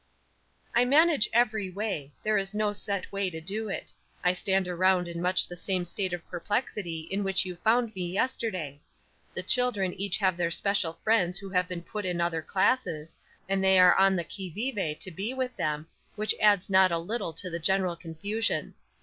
"I manage every way; there is no set way to do it. I stand around in much the same state of perplexity in which you found me yesterday. The children each have their special friends who have been put in other classes, and they are on the qui vive to be with them, which adds not a little to the general confusion.